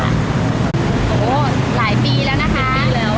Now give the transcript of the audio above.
โอ้โหหลายปีแล้วนะคะ